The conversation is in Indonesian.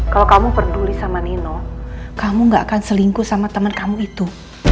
kalau kamu peduli sama nino kamu gak akan selingkuh sama temen kamu itu